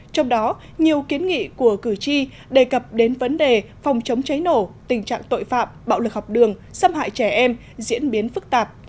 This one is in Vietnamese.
trong đó nhiều kiến nghị của cử tri đề cập đến vấn đề phòng chống cháy nổ tình trạng tội phạm bạo lực học đường xâm hại trẻ em diễn biến phức tạp